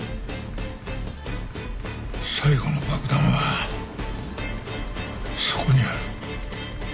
最後の爆弾はそこにある。